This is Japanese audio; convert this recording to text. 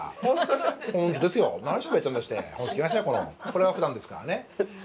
これがふだんですからね。